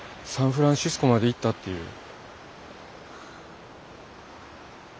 サンフランシスコまで行ったっていう。